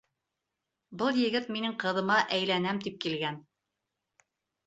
Был егет минең ҡыҙыма әйләнәм тип килгән.